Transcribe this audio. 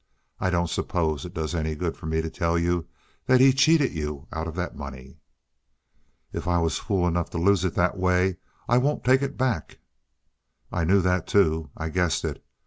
I don't suppose it does any good for me to tell you that he cheated you out of that money?" "If I was fool enough to lose it that way, I won't take it back." "I knew that, too I guessed it.